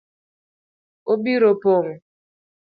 Obiro pong’